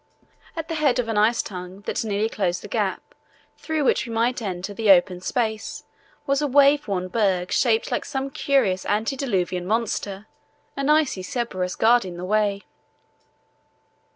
At the head of an ice tongue that nearly closed the gap through which we might enter the open space was a wave worn berg shaped like some curious antediluvian monster, an icy Cerberus guarding the way.